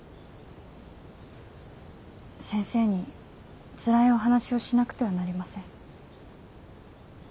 先生につらいお話をしなくてはなりません。